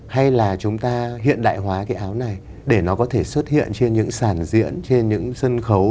hay là chúng ta hiện đại hóa cái áo này để nó có thể xuất hiện trên những sản diễn trên những sân khấu